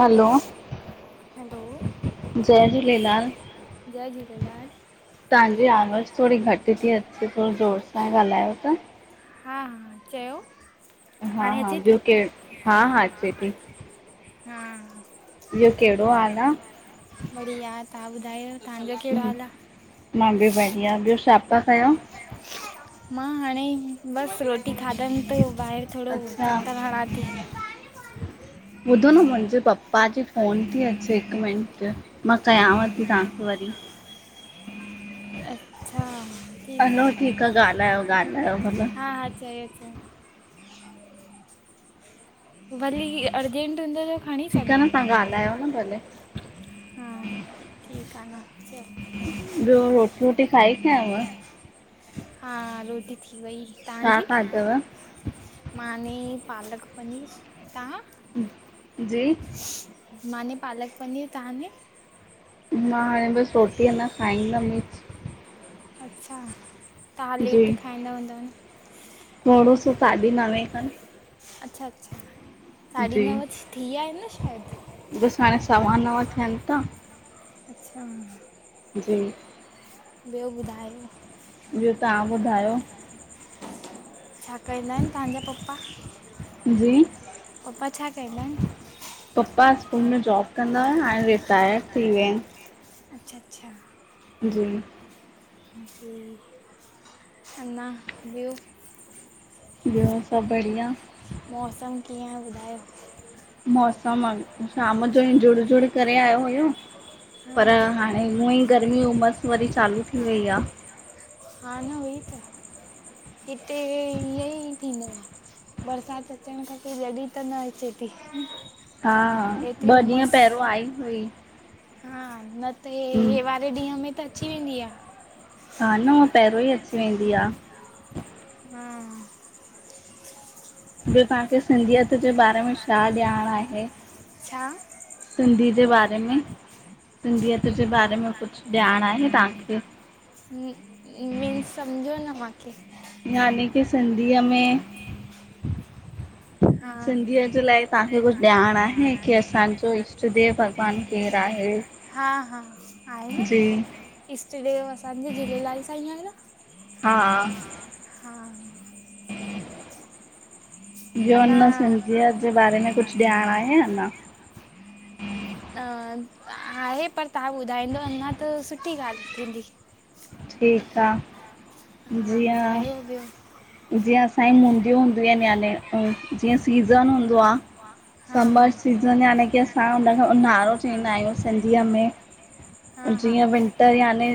हलो, hello जय झूलेलाल। जय झूलेलाल। तव्हांजी आवाज़ु थोरी घटि थी अचे, थोरो ज़ोर सां ॻाल्हायो तवा। हा हा, चयो। हा हाणे हा, अचे थी, ॿियो के हा हा अचे थी, हा। [unintelligible] ॿियो कहिड़ो हाल आहे। बढ़िया। तव्हां ॿुधायो तव्हांजो कहिड़ो हाल आ। मां बि बढ़िया, ॿियो छापा कयो। मां हाणे बसि रोटी खाधमि, त ॿाहिरि थोरो अच्छा, चक्कर हणा थी। [unintelligible] ॿुधो न मुहिंजे पप्पा जी फ़ोन थी अचे हिक मिंट। मा कयांव थी तव्हांखे वरी। अच्छा। हलो ठीक आहे ॻाल्हायो ॻाल्हायो भला। हा हा चयो अथव। वरी अर्जेंट हूंदो त खणी सढो़। ॻल्हायो न भले। हा ठीक आन। च ॿयो रो रोटी खाइ? हा रोटी थी वई छा तव्हांजी? खाधव? माने पालक पनीर तव्हां? जी माने पालक पनीर तव्हां ने? मां हाणे बस रोटीअ अञा खाईंदम। अच्छा तव्हां लेट जी खाईंदा हूंदव न? थोड़ो सो साढी नवें खनि अच्छा अच्छा साढी जी नव थींया आहिन शायद? बसि हाणे सवा नव थियनि था अच्छा जी ॿियो ॿुधायो? ॿियो तव्हां ॿुधायो? छा कंदा आहिन तव्हांजा पपा? जी पपा छा कंदा आहिन? पप्पा स्कूल में जॉब कंदा हुआ हाणे रिटायर थी वया आहिन। अच्छा अच्छा जी जी अञां ॿियो। ॿियो सभ बढ़िया। मौसम कीअं आ ॿुधायो? मौसम शाम जो ई जुड़ जुड़ करे आयो हुयो पर हा हाण ऐं हूअं ई गर्मी उमस वरी चालू थी वई आ। हा न उहई त हिते ईयं ई थींदो आ। बरसात अचण खपे जॾी त न अचेती। हा ॿ ॾींह पहिरियों आई हुई। हा न त हे वारे ॾींह में त अची वेंदी आ। हा न हू पहिरियों ई अची वेंदी आ। हम्म ॿियो तव्हांखे सिंधीयत जे बारे में छा ॼाण आहे? छा सिंधी जे बारे में सिंधीअत जे बारे में कुछ ॼाण आहे तव्हांखे? मिंनस समझो न माखे? यानी की सिंधीअ में [inaudible] सिंधीअ जे लाए तव्हांखे कुछ ॼाण आहे की असांजो ईष्ट देव भॻवान केर आहे? हा हा आहे न जी इष्ट देव असांजे झूलेलाल साईं आहे न। हा हा ॿियो हिन अञा सिंधीयत जे बारे में कुछ ॼाण आहे अञा? आहे पर तव्हां ॿुधाईंदव अञा त सुठी ॻाल्हि थींदी। ठीक आ। हा जीअं ॿुधायो ॿियो। जीअं असांजी मुंदियूं हूंदियूं आहिनि, याने जीअं सीज़न हूंदो आ हा हा समर सीज़न यानी की, असां उनखे ऊन्हारो चवंदा आहियूं सिंधीअ में हा हा जीअं विंटर याने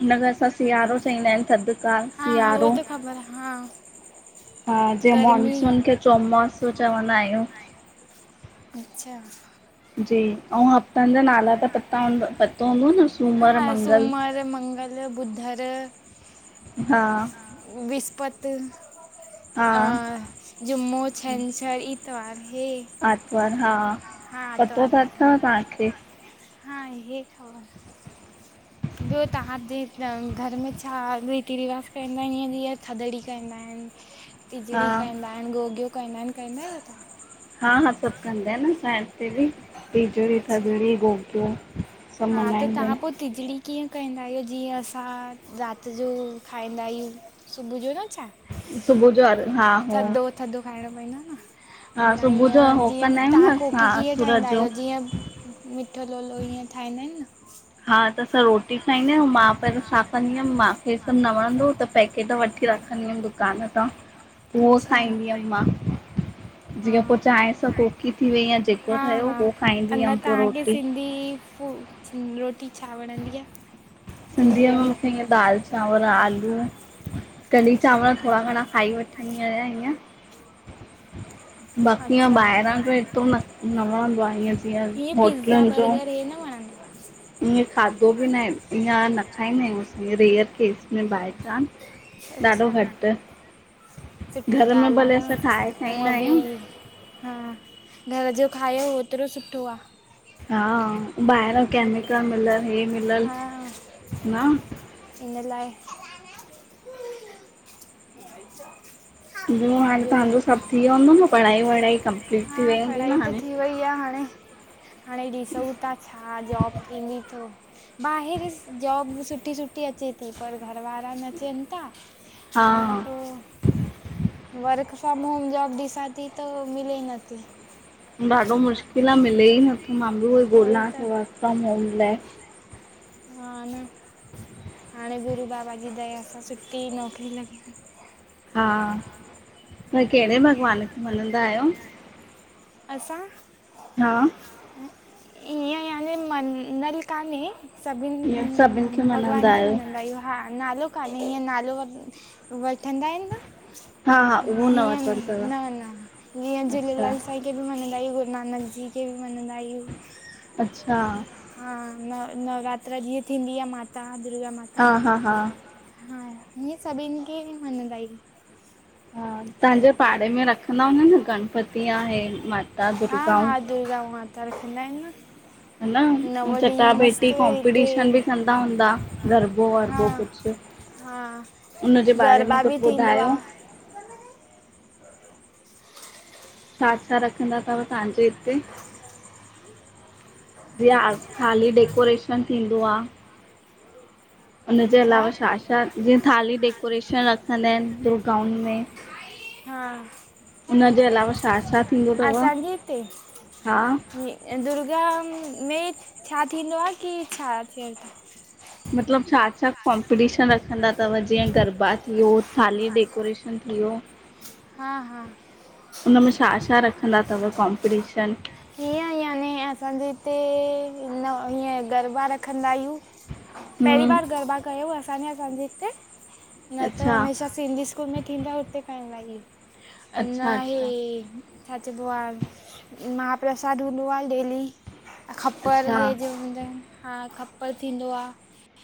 हुनखे असां सिआरो चवंदा आहियूं, थंदकार सिआरो पर हा हा जीअं गर्मी मानसून खे चोमासो चवंदा आहियूं। अच्छा जी अउं, हफ़्तनि जा नाला त पता हूं पतो हूंदव न सूमरु हा मंगल सूमरु, मंगलु, ॿुधरु हा विस्पत, हा अ जुम्मो, छंछरि इतवारू हे आतवारु हा हा पतो आतवार त अथव तांखे हा आहे ख़बर ॿियों तांहाजे घरु में छा रीती रिवाज़ कंदा आहिनि? जीअं थदड़ी कंदा आहिनि। हा टिजड़ी कंदा हिनि, गोगियो कंदा हिनि, कंदा आहियो न तां? हा हा, सभु कंदा हिनि न असांजे हिते बि टिजड़ी, अच्छा थदड़ी, गोगियो सभु हा त मल्हाईंदा तां आहिनि पो टिजड़ी कीअ कंदा आहियूं, जीअ असां राति जो खाईदा आहियूं। सुबह जो न चायं सुबह जो अध् हा हो थदो खाइणो पईदो आ हा न सुबुह अञा जो इअं हो जीअं कंदा आहियूं तां न कोकी असां कीअं असुर ठाहींदा जो आहियो, जीअं मिठो लोलो ईअं ठाहींदा हिनि न हा त असां रोटी खाईंदा आहियूं, मां पहिरियों छा कंदी हुअमि, मांखे त सभु न वणंदो हुओ त पैकेट वठी रखंदी हुअमि दुकान तां, उहो अच्छा खाईदी हुअमि मां हा जीअं पोइ चायं सां कोकी थी वई या जेको हा ठहियो हा उहो खाईदी हुयमि पो रोटी पो रोटी छा वणंदी आहे? सिंधीअ में मुंखे ईअं दालि, चांवर, आलू कड़ी- अच्छा चांवर, थोरा घणा खाई वठंदीया ईयं [inaudible] बाक़ी इअं अच्छा ॿाहरा जो ऐतिरो न, न वणंदो आ ईअं जीअं हीअं पिज़्ज़ा होटलुनि जो बर्गर हे न वणंदो ईअं खाधो बि नाहे ईअं न खाईदा आहियूं, असां रेयर केस में बाऐ चांअस आहे ॾाढो अच्छा घटि, सुठी घरु में ॻाल्हि आहे भले न असां ठाहे खाईदा हूअं आहियूं। बि हा, घरु जो खायो ओतिरो सुठो आ हा ॿाहर केमिकल मिलयलु हे मिलयल, न हिनि लाइ [unintelligible] ॿियो हाणे तांजो सभु थी, वयो हुंदो न पढ़ाई- वढ़ाई कंप्लीट थी, हा वई हूंदी पढ़ाई न त हाणे थी वई आ हाणे हाणे ॾिसऊं था छा जॉब थींदी त? ॿाहरि जॉब सुठी सुठी अचे थी, पर घरवारा न चयेन था। अञा हा पोइ वर्क फ़ाॅम होम, जॉब ॾिसा ती त मिले ई नथी। ॾाढो मुश्किल आ, मिले ई नथो, मां बि उहो ई वरी गोलां त ती वर्क फ़ाॅम होम लाये। हा न! हाणे गुरू बाबा जी दया सां सुठी ई नौकरी लगी वई। हा! ता केड़े हा भगवान खे मञंदा आयो? असां हा ईय याने मन्दर काने ईअं सभिनि खे सभिन भगवान मञंदा खे आहियो मञंदा ई हूआ। हा नालो काने ईंअं नालो वठंदा आए न! हा हा उहो न हीअं! वरितलु अथव न-न हीअं अच्छा 'झूलेलाल सा'' 'साई' खे बि मञंदा आयूं 'गुरुनानक जी' के बि मञंदा आयूं। अच्छा। हा! नव नवरात्रा जीअं थींदी आह माता, दुर्गा माता हा हिअ सभीन खे ही मञंदा आयूं। तहां जे पाड़े में रखंदा हूंदव न गणपति या हे माता दुर्गाऊं? दुर्गाऊं माता रखंदा आऐ न। नव हन् चटा ॾींहं पेटी मस्तु हिते कॉम्पिटीशन बि कंदा हूंदा, हा गरबो-वरबो कुछ! हा उंनजे बारे में गरबा कुछ बि थींदो बुधायो आहे छा-छा रखंदा तव तहां जे इते? जीअं आर, थाली डेकोरेशन थींदो आ। उनजे अलावा छा छा-छा! जीअं थाली डेकोरेशन रखंदा आए न दुर्गा उन में। हा उनजे अलावा छा-छा थी असां जे इते, हे दुर्गा में छा थींदो आ की छा थिय मतलब छा-छा कॉम्पटीशन रखंदा तव! जीअ गरब़ा थियो, थ़ाली डेकोरेशन थियो। हा-हा उनमें छा-छा रखंदा तव कॉम्पटीशन? कीअ याने! असांजे इते न हीअ गरब़ा रखंदा आयू। पेऱी हम्म बार गरब़ा कयो असां ने असां जे इते, न त अच्छा हमेशा सिंधी स्कूल में थींदा हुते कंदा ईन, अच्छा अञां हे अच्छा छा चऐंबो आह, महाप्रसाद हूंदो आ डेली। ख़प्पर अच्छा हे जे हूंदा आऐन, हां ख़प्पड़ थींदो आ।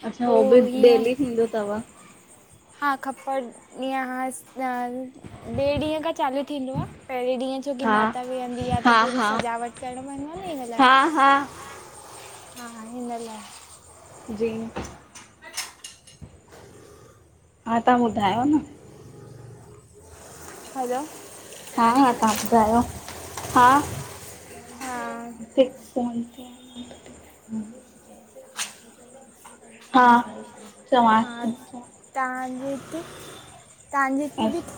अच्छा हो बि डेली थींदो तव! हा ख़प्पड़ निहास नाल् ॿे ॾीह खां चालू थींदो आ, पहेरें ॾीहं छोकी हा माता वेहंदी आह त पूरी सजावट करण वनवो आ नी इंन लाय हां-हां हा! हिंन लाए। जी हा तां बुधायो न ह़लो हा-हा तहां बुधायो हा हा फ़ोन क़्याई। हा, चवांस थी। तहांजे हिते, तहांजे हिते बि चवांसि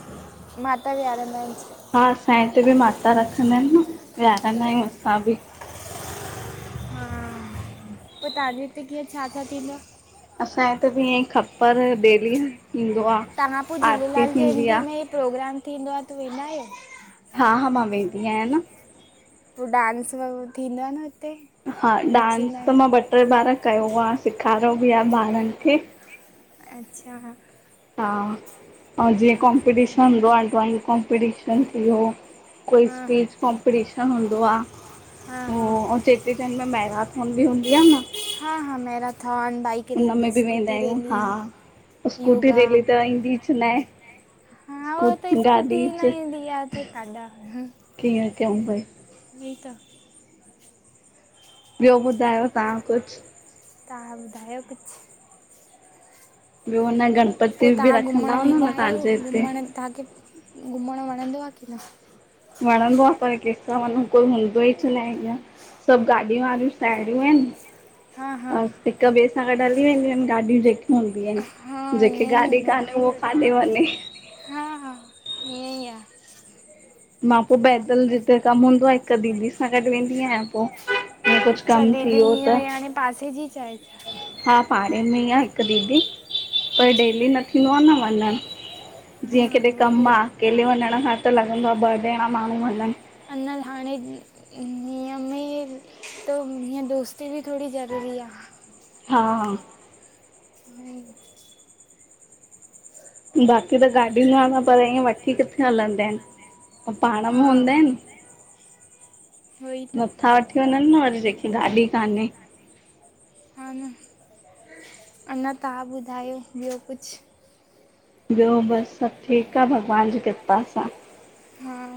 माता विहारंदा आहिन? हा असांजे हिते बि माता रखंदा आहिन न, विहारींदा आहियूं असां बि। हा, पोइ तहांजे हिते कीअं छा- छा थींदो आ? असांजे हिते बि ईअं खप्पर बेली तव्हां पोइ झूलेलाल जयंती आहे में प्रोग्राम थींदो आहे, त वेंदा आहियो? हा हा मां वेंदी आहियां न। पो डांस वगरह थींदो आ न हुते? हा डांस नचंदा त आहिनि मां ॿ टे ॿार कयो आ, सेखारियो बि आ ॿारनि खे। अच्छा हा, ऐं जीअं कॉम्पिटीशन हूंदो आ ड्राइंग कॉम्पिटीशन थि वियो कोई हा हा स्पीच कॉम्पटीशन हूंदो आ। हा हा अंउ चेटीचंड में महराथोन बि हूंदी आ न। हा हा मेराथन, बाइक रैली हुनमें बि वेंदा स्कूटी आहियूं, रैली हा स्कूटी योगा रेली त ईंदीच न आहे। हा उह त स्कूटी ईंदी न आहे ताढां कींअं कंउ भई। र त [inaudible] ॿियो ॿुधायो तां कुछ? तहां ॿधायो कुछ! ॿियो हुन न गण पो तहां घुमण वेंदा आहियो, घुमण तव्हांखे घुमणु वणंदो आ कि न? वणंदो आ पर केंसा वंञू, कोई हूंदो ई च न आहे इंअ। सब गाॾिय वारियूं साहेड़ियूं आहिन। हा हा बस हिक ॿिए सां गॾु हली वेंदियूं आहिन ॻाॾियूं जेक हूंदी आहिन, हा जेके ईअं ई गाॾी हूंदो कानहे, आहे उह काॾे वञे? हा हा, इअं ई आ। मां पो पैदल जिते कमु हूंदो आ, हिकु दीदी सां गॾु वेंदी आहियां पो। अच्छा दीदी इहं ई हाणे पासे जी च आहे? हा पाड़े में ई आ हिकु दीदी। पर डेली अच्छा न थींदो आ न वंञणु, जीअं हा केॾे उहो कमु बि आ! आहे अकेले वंञण खां त लॻंदो आ ॿ ॼणा माण्हू वञन। अंञा हाणे इंअ म त हं दोस्ती बि थोङी ज़रूरी आ। हा ऐं [inaudible] बाक़ी त गाॾी न वारा पर इंअ वठी किथे हलंदा आहिन! ऐं पाण में हा हूंदा आहिन, उहो ई त नथा वठी ञनि न वरी जेखे गाॾी कान्हे। हा न, अंञा तव। हां ॿुधायो ॿियो कुछु! ॿियो बस सब ठीकु आ भॻवान जी कृपा सां। हा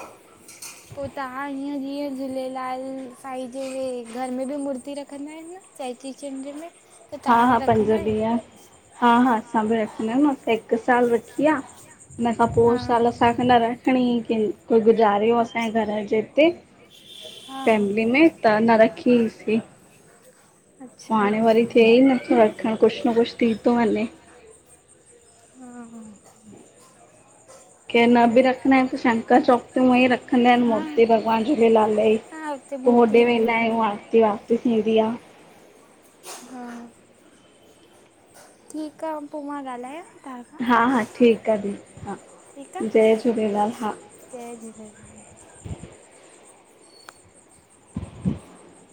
हा [inaudible] पो तहां हीअं जीअं झूलेलाल साईं जे घर में बि मूर्ती रखंदा आहिन न चेटी चंड्र में! त हा तव्हां हा, पंज रखंदा बी आ। आहियो हा हा, असां बि रखंदा आहियूं न असां हिकु साल रखी आ, हिन खां हा पोइ साल असांखे न रखिणी, कं कोई गुज़ारियो असांजे घर जे हिते हा हा फैमिली में, त न रखी ईसीं। पोइ अच्छा हाणे वरी थिए ई नथो रखणु, कुछु न कुछु थी थो वञे। हा हा। के न बि रखंदा इन त शंकर चौक ते ऊअंईं रखंदा आहिनि हा मूर्ती भॻवानु झूलेलाल जी। हा हुते पो मूर्ती होॾे हूंदी वेंदा आहे आहियूं, आरत ॿारती थींदी आ। हा। ठीकु आ, पोइ मां ॻाल्हायां? तव्हां हा खां हा ठीकु ठीकु आ, ठीकु आहे जय झूलेलाल हा। जय झूलेलाल। [inaudible]